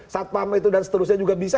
satpam itu dan seterusnya juga bisa